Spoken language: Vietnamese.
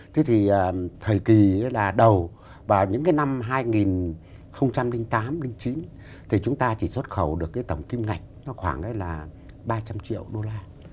thế thì thời kỳ là đầu và những cái năm hai nghìn tám hai nghìn chín thì chúng ta chỉ xuất khẩu được cái tổng kim ngạch khoảng đấy là ba trăm linh triệu đô la